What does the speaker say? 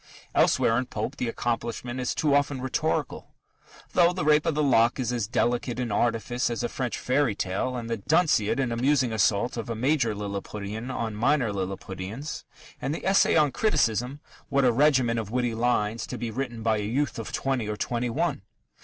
Elsewhere in Pope the accomplishment is too often rhetorical, though The Rape of the Lock is as delicate in artifice as a French fairy tale, the Dunciad an amusing assault of a major Lilliputian on minor Lilliputians, and the Essay on Criticism what a regiment of witty lines to be written by a youth of twenty or twenty one!